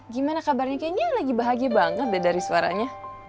gimana kabarnya kayaknya lagi bahagia banget deh dari suaranya